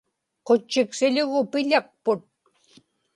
qutchiksiḷugu piḷakput